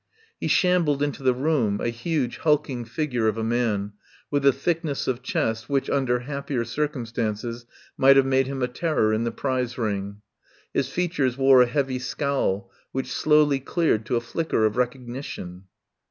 He shambled into the room, a huge, hulk ing figure of a man, with the thickness of chest which, under happier circumstances, might have made him a terror in the prize ring. His features wore a heavy scowl, which slowly cleared to a flicker of recognition.